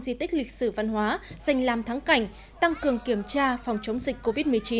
di tích lịch sử văn hóa danh làm thắng cảnh tăng cường kiểm tra phòng chống dịch covid một mươi chín